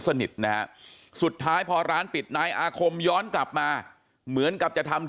สนิทนะฮะสุดท้ายพอร้านปิดนายอาคมย้อนกลับมาเหมือนกับจะทำ